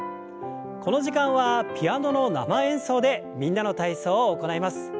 この時間はピアノの生演奏で「みんなの体操」を行います。